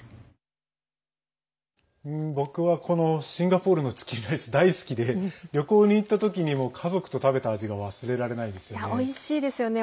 僕は、このシンガポールのチキンライス大好きで旅行に行ったときにも家族と食べた味がおいしいですよね。